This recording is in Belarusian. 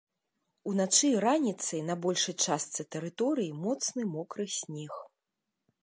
Уначы і раніцай на большай частцы тэрыторыі моцны мокры снег.